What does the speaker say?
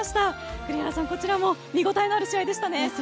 栗原さん、こちらも見応えのある試合でしたね。